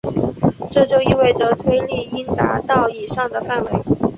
这就意味着推力应达到以上的范围。